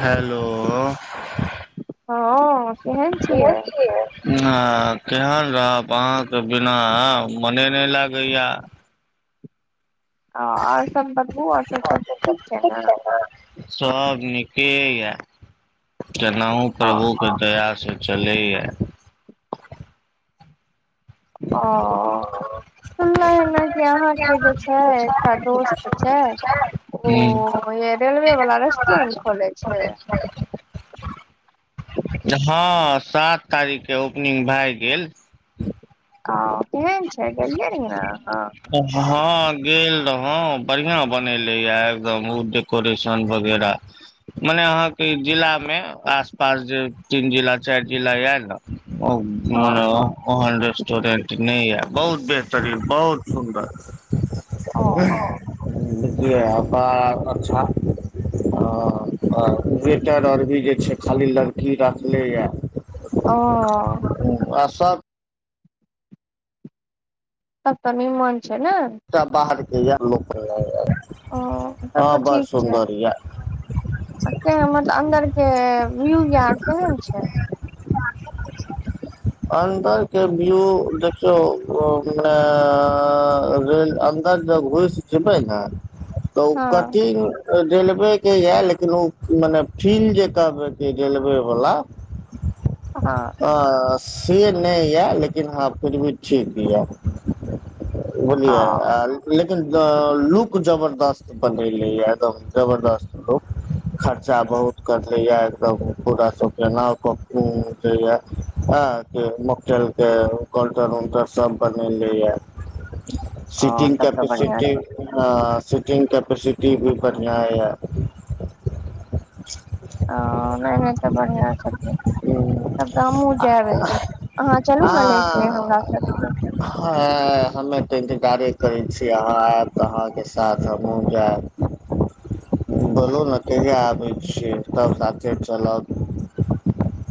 hello हँ केहन छियै ह केहन रहब अहाँ के बिना मने नय लागेया आओर सबन बौआ आओर सब ठीक छै न सब निके य केनाहू ओ प्रभु दयासँ चलैए ह सुनले है ने कि अहाँके जे छै एकटा दोस्त छै ओ हूँ य रेेलवे वला [unintelligible] रेस्टोरेंट खोले छै हँ सात तारीखके ओपनिंग भए गेल ह केहन छै गेलियै रहै ने अहाँ हँ गेल रहौ बढ़िया बनेलै यए एकदम ओ डेकोरेशन वगैरह मने अहाँके जिला मे आस पास जे तीन जिला चैर जिला य ने ओ म हँ ओहन रेस्टोरेंट नहि य बहुत बेहतरीन बहुत सुन्दर ओ बियै ब अच्छा [unintelligible] वेटर आर भी जे छै खाली लड़की राखलैए ओ हुँ आ सब सब तऽ निमन छै नै एकटा बाहर केँ य लोक ओ तब हँ तऽ बड़ सुन्दर य अच्छह मतलब अन्दर केँ व्यू यार केहन छै [inaudible] अन्दरके व्यू देखियौ उ [unintelligible] भेल अन्दर जब घुस जेबै नऽ तऽ ओ हँ कटिंग रेलवे केँ यऽ लेकिन ओ माने फील्ड जे कहबे की रेलवे वला हँ हँ से नहि यऽ लेकिन हँ फिर भी ठीक यऽ ओ बलियै आ लेकिन लुक जबरदस्त बनेले एकदम जबरदस्त लुक खर्चा बहुत करलै य कहूँ पूरा सभकेँ [unintelligible] दैए अहाँकेँ मोकटेल केँ काउन्टर उन्टर सब बनेने य ओ सिटिंग तब तऽ बढ़िया कैपेसिटी छै हँ सिटिंग कैपेसिटी भी बढ़िया यऽ ओ नहि ओनाहितो बढ़िया छथि तब तऽ हमहुँ जायब लेकिन अहाँ चलू ने लेकेँ हमरा सब केँ हँ हमे इन्तजारे करै छी अहाँ आयब तऽ अहाँकेँ साथ हमहु जायब बेलू नऽ कहिया आबै छियै तब साथे चलब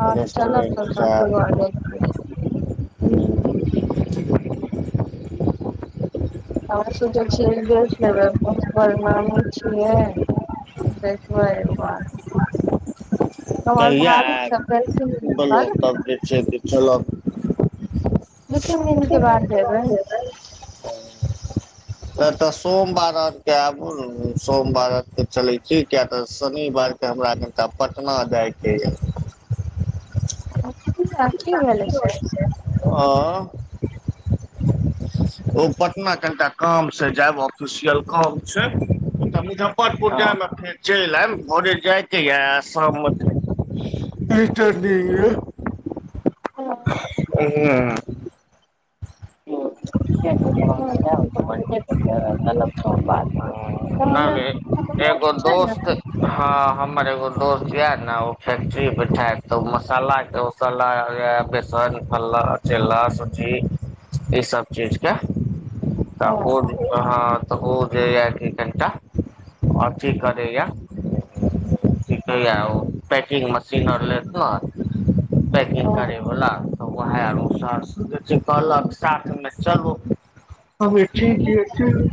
हँ तऽ चलब रेस्टोरेंट सब जायब साथे [unintelligible] हम सोचै छियै देख [unintelligible] छियै देखबै एगो बात तब हमर कहिया भाबी आयब सब [unintelligible] दू बोलू तब जे छै से चलब तीन दिन केँ बाद जबै नहि त तऽ सोमवार आर केँ आबू ने सोमवार अर केँ चलै छै कियाकी तऽ शनिवार हमरा कनिटा पटना जाइ केँ यऽ किया की भेलै छै आँ [inaudible] ओ पटना कनिटा काम से जायब ऑफिसियल कहब छै मुज्फरपुर जाइम फेर चलि आयब भोरे जायकेँ य आ शाम मे र रिटर्न आयब हँ [unintelligible] ठीके छै तहाँ जाब चलब सोमबर केँ तऽ य हमे एगो दोस्त [unintelligible] हँ हमर एगो दोस्त य नऽ ओ फैक्ट्री बैठाइत तऽ मसाला केँ ओ सला जे हेइ य बेसन फल्ला चिला सुजी ई सब चीज केँ तऽ ओ हँ हँ तऽ ओ जे य कनी टा अथि करै य की कहै य ओ पैकिंग मशीन आर लेत नऽ पैकिंग करे हँ बला तऽ वएह आरो सर जे कहलक साथमे चलू अभी ठीक य ह [unintelligible]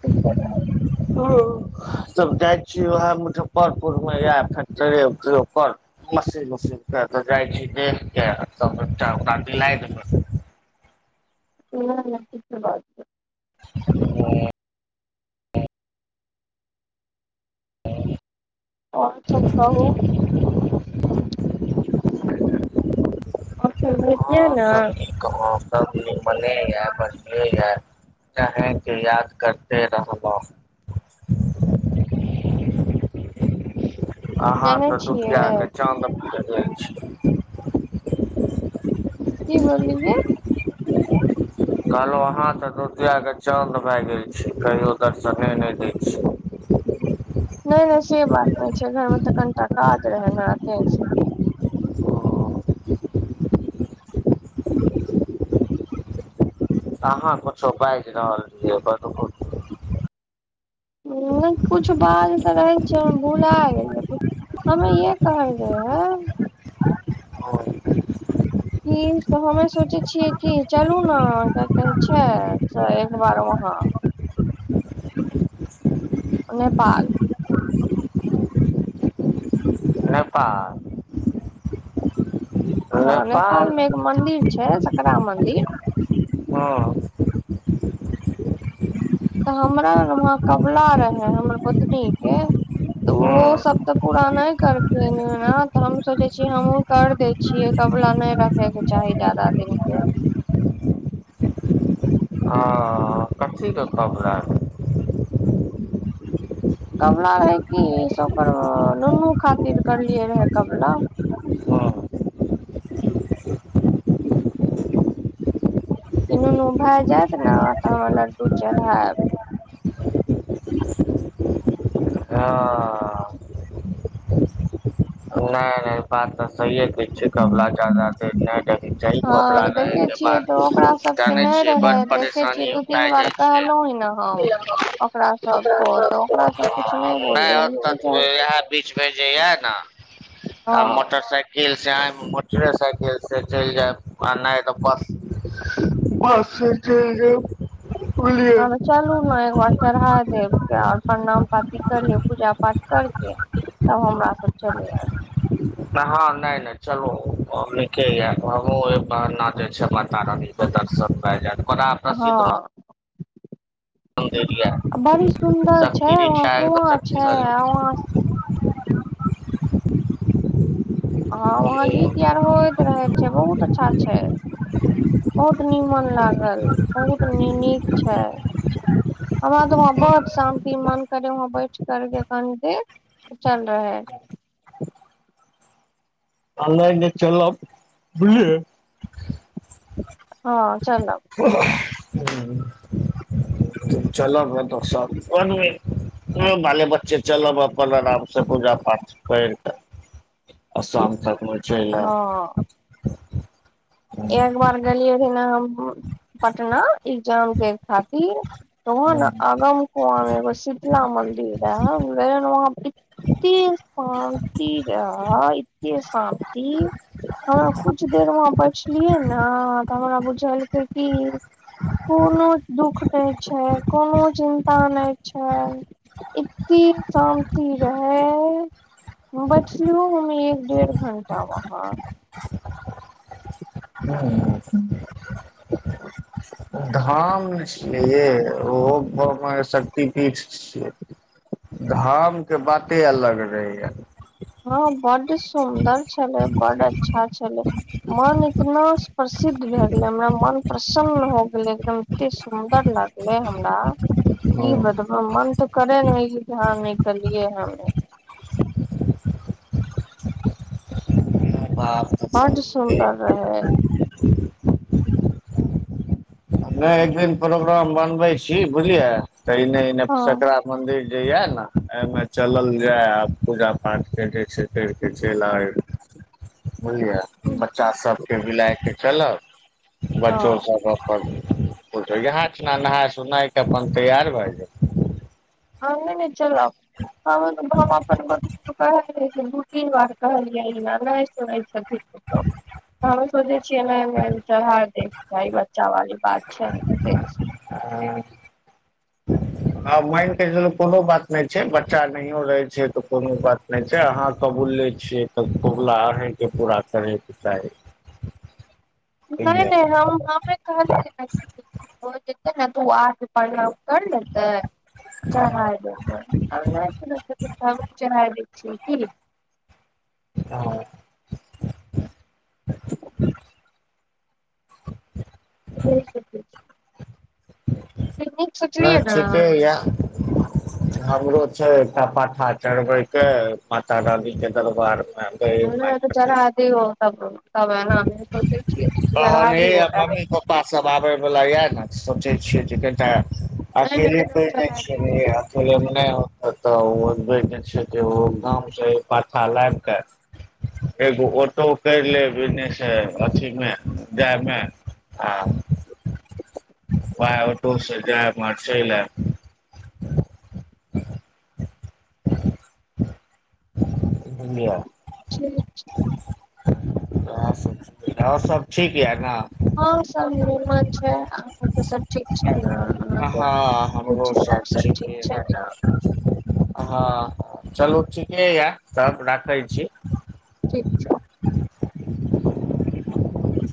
और त जाइ छी उएह मुजफ्फरपुर मे याब फैक्ट्री के उपर मस मस [unintelligible] के तऽ जाइ छी देख के त एकटा ओकरा दिला देल नहि नहि क बात [unintelligible] हं ह आओर सब कहू और सब होतियै ने मौसम नि मने है बसे है [unintelligible] केके याद करते रहबह अहा जानै तऽ दुटिया के छियै चाँद भे जाइ छी की बोललि यै कहलहु अहाँ तऽ दुतियाके चाँद भए गेल छै कहियो दर्शने नहि दैत छी [inaudible] नहि नहि से बात नहि छै घर मे तऽ कनिए टा काज रहै न छै [inaudible] अहाँ कुछु बाएज रहल छियै की नहि कुछु बाज तऽ रहै छै भुला गेलै हममे यही कहके रहा कि हमे सोचे छियै कि चलू न क्य कहै छै से एक बार वहाँं नेपाल नेपाल हँ नेपाल मे एक मंदिर छै सकरा मंदिर हँ ज [inaudible] तऽ हमरा वहाँ कबला रहे हमर पतनी के तऽ ओ हँ सब तऽ पूरा नहि करथिन त हम सोचे छी हमहु कर देय छीयै कपला नहि रख देखेके चाही जादा दिन के हँ कथीके खबला कबला रहै कि सब ओकर नुनू खातिर करलियै रहे कबला हँ कि नुनू भए जायत ने तऽ हमर लड्डू चढ़ायब ह नहि नहि बात तऽ सहिए कहै छ कबला जादा त नहि देख चाही हँ कबला तऽ देखे रहैके छियै बाद तऽ ओकरा सबके जानै नहि छियै बड़ रहे देखे छियै परेशानी दू आ तीन बार जाइ कहलहुं ह ने हम छै ओकरा सबको तऽ सब ओकरा सब के कुछ नहि बोलले होत हँ इएह बीचमे जे यए न आ हँ मटर साइकिल से आय मोटरे साइकिल से चलि जायब आ नहि तऽ बस बाससे चैल जाब बुझलियै चलु न एकबार चढ़ा देब के आओर प्रणाम पाती कर ले पूजा पाठ करके तब हमरा सब चलि [inaudible] [inaudible] हँ नहि नहि चलू नीके य हमहु बहना जे छै बतार सत सत भजार [unintelligible] हँ मंदिर ये बड़ी सुन्दर छै शक्ति पीठ वहां ये एकदम कुआँ छै शक्तिशाली आ वहां हँ वहाँ गीत आर होइत रहैत छै बहुत अच्छा छै बहुत निमन लागल बहुत नि नीक छै हमरा त वहां बड्ड शान्ति मन करै वहां बैठ करके कनि देर चल रहै आ नै नै चलब बुझलियै हँ चलब हू [inaudible] [inaudible] हम चलब ओत स ओन्हिये ह्म बाले बच्चे चलब अपन आराम से पूजा पाठ करतऽ आसाम तक चलाए हँ एक बार गेलियै रहा पटना एक्जाम देब खातिर त आगम ओयांग मे एगो सितला मन्दीर रह इ शांति रह एते शांति हमरा कुछ देर वहाँ बैठलियै न तऽ हमरा बुझयकै की कोनो दुःख नहि छै कोनो चिन्ता नहि छै इत्ते क शान्ति रहै बैठलु हम एक डेढ़ घंटा वहाँ ह्म हू धाम ने छियै ये ओहो [unintelligible] शक्ति पीठ छियै धाम के बाते अलग रहैया हँ बड्ड सुन्दर छलै बड्ड अच्छा छलै मन इतना प्रसिद्ध भए गेलै हमरा मन प्रसन्न हो गेलै एकदम एते सुन्दर लागलै हमरा कि बतब मन तऽ करे नै ई धाम निकलियै हम वाह बड्ड सुन्दर रहै मे एक दिन प्रोग्राम बनबै छी बुझलियै तऽ एने एने हँ सकरा मंदिर जे या न एहिमे चलल जाय आ पूजा पाठ के जे छै करि कऽ चलि आबय बुझलियै बच्चा सबके भी लैयके चलब बच्चो हँ सब अपन बुझु इएहा स्नान नहाय सोनाय के अपन तैयार भए जे हम्मे नहि चलब हम अपन हम अपन [unintelligible] गोतनी पुताह के लेके दुर तीन बार कहलियै इहां नहि सुनै छथिन कुछो हमे सोचै छियै ने अइमे अइमे चढ़ा दै चाही बच्चा वाली बात छै हं [inaudible] आ मानिके चलू कोनो बात नहि छै बच्चा नहियो रहे छै तऽ कोनो बात नहि छै अहाँ कबूलले छियै तऽ कबुला अहैंके पूरा करैके चाही [inaudible] नहि बुझलियै नहि हम हमें कहलियै ने कि भ जेतै ने त उ आ के प्रणाम कर लेतै आ चढ़ाय देतै अब नै सुनै छथिन त हमही [unintelligible] चढ़ाय दै छियै कि हं ठीक छै ठीक छै [inaudible] ई हम नहि सोचलियै न ठीके यऽ हमरो छै एकटा पाठा चढ़बैके माता रानीके दरबारमे त चढ़ा दबौ तब तब सोचै छियै चढ़ा दे [unintelligible] पा सब आबय वाला य ने सोचै छियै जे कनिटा नहि नहि अकेले एकदम पे ने चढ़ा दियौ छियै चलेब नहि होत तऽ ओ छै ओ गाम से पाथा लायब क एकगो ओटो कइर लेब विनेसे अथीमे जायमे आ वाय ओटू से जा मर चैल एब [inaudible] दुनिया ठीक छै आहा सब आउर सब ठीक यऽ ने हँ सब निमन छै अहां के त सब ठीक छै ने अहाँके हँ हमरो बुच्ची आर सब ठीक छै न हँ हँ चलू ठीके यऽ तब राखै छी ठीक ठीक छै [inaudible]